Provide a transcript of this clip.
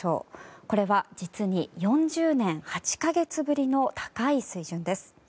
これは実に４０年８か月ぶりの高い水準です。